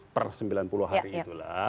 per sembilan puluh hari itulah